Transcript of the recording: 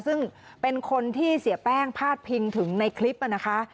ซึ่งเป็นคนที่เสียแป้งพาดพิงถึงในคลิปนะคะ